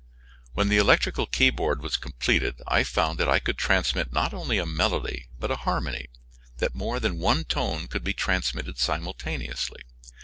When the electrical keyboard was completed I found that I could transmit not only a melody but a harmony; that more than one tone could be transmitted simultaneously.